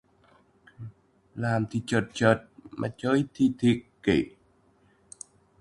Làm thì chợt chợt mà chơi thì thiệt kỹ